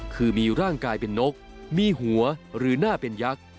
คือมีร่างกายเป็นนกมีหัวหรือหน้าเป็นยักษ์